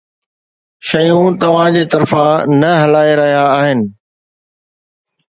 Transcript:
شيون توهان جي طرفان نه هلائي رهيا آهن.